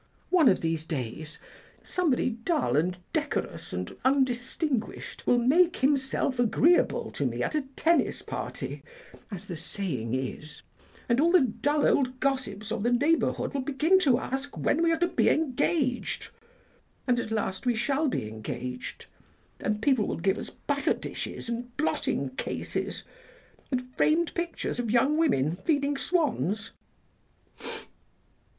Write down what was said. One of these days somebody dull and decorous and undistinguished will 'make himself agreeable' to me at a tennis party, as the saying is, and all the dull old gossips of the neighbourhood will begin to ask when we are to be engaged, and at last we shall be engaged, and people will give us butter dishes and blotting cases and framed pictures of young women feeding swans.